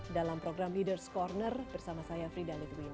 dalam program leaders' corner bersama saya frida litwina